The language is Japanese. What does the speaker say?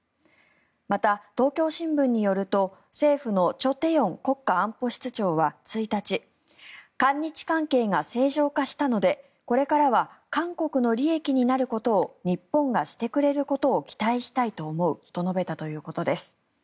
また、東京新聞によると政府のチョ・テヨン国家安保室長は１日韓日関係が正常化したのでこれからは韓国の利益になることを日本がしてくれることを期待したいと思うと述べたということです。